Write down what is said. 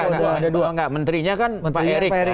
ada dua enggak menterinya kan pak erick